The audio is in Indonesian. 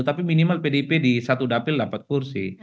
tapi minimal pdip di satu dapil dapat kursi